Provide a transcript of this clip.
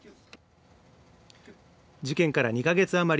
事件から２か月余り。